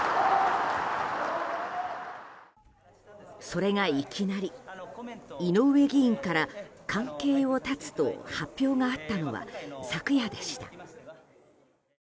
それがいきなり、井上議員から関係を断つと発表があったのは昨夜でした。